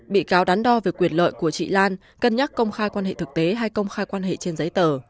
bị cáo đắn đo về quyền lợi của chị lan cân nhắc công khai quan hệ thực tế hay công khai quan hệ trên giấy tờ